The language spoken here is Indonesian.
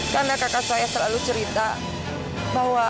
karena kakak saya selalu cerita bahwa